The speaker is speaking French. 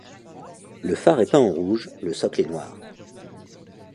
Le phare est peint en rouge, le socle est noir.